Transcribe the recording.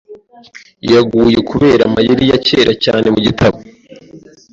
Yaguye kubera amayeri ya kera cyane mu gitabo.